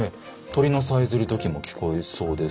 鳥のさえずりも聞こえそうですし。